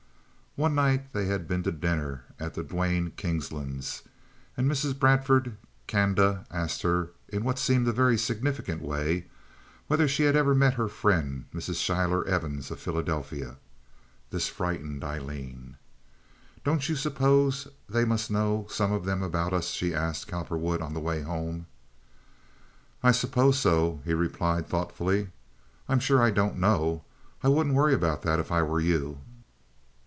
One night they had been to dinner at the Duane Kingslands', and Mrs. Bradford Canda had asked her, in what seemed a very significant way, whether she had ever met her friend Mrs. Schuyler Evans, of Philadelphia. This frightened Aileen. "Don't you suppose they must know, some of them, about us?" she asked Cowperwood, on the way home. "I suppose so," he replied, thoughtfully. "I'm sure I don't know. I wouldn't worry about that if I were you.